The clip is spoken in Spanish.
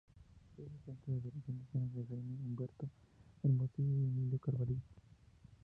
Fue asistente de dirección de escena de Jaime Humberto Hermosillo y Emilio Carballido.